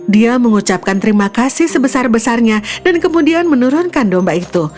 dia mengucapkan terima kasih sebesar besarnya dan kemudian menurunkan domba itu